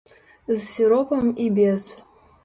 З сіропам і без.